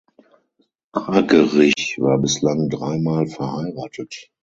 Argerich war bislang dreimal verheiratet.